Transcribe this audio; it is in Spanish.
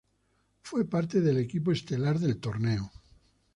Fue parte del equipo estelar del torneo.